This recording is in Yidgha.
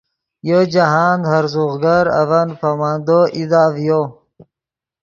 یو جاہند ہرزوغ گر اڤن پامندو ایدا ڤیو